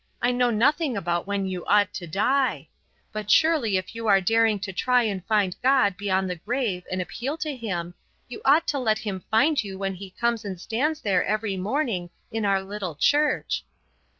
I know nothing about when you ought to die. But surely if you are daring to try and find God beyond the grave and appeal to Him you ought to let Him find you when He comes and stands there every morning in our little church."